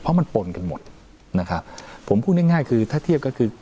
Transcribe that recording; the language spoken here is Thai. เพราะมันปนกันหมดนะครับผมพูดง่ายง่ายคือถ้าเทียบก็คือ